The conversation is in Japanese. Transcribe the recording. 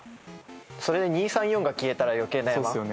それで２３４が消えたら余計悩まん？